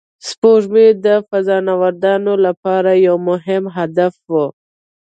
سپوږمۍ د فضانوردانو لپاره یو مهم هدف و